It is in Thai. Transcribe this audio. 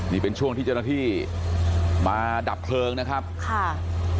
นี่เป็นช่วงที่เจ้าหน้าที่มาดับเพลิงนะครับค่ะ